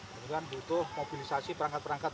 dan juga butuh mobilisasi perangkat perangkat